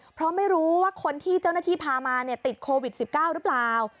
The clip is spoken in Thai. เพราะไม่รู้ว่าคนที่เจ้าหน้าที่พามาติดโควิด๑๙หรือเปล่า